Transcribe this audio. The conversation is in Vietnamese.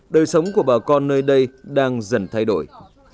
đời sống của bà con nơi đây đang dần thay đổi